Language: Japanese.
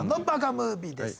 ムービーです。